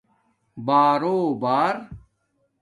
بارو بݳر